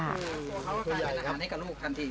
อันนี้กับลูกทันที